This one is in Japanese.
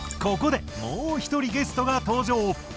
ここでもう一人ゲストが登場。